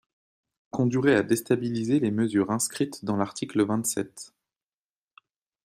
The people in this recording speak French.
– conduiraient à déstabiliser les mesures inscrites dans l’article vingt-sept.